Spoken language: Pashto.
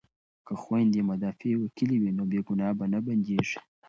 که خویندې مدافع وکیلې وي نو بې ګناه به نه بندیږي.